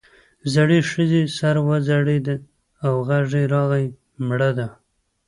زړې ښځې سر وځړېد او غږ راغی مړه ده.